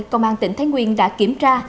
công an tỉnh thái nguyên đã kiểm tra